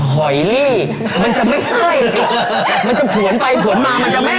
หอยลี่มันจะไม่ใกล้มันจะผวนไปเผินมามันจะไม่